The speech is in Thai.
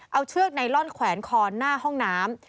เอาเชือกไนลอนแขวนคอหน้าห้องน้ำ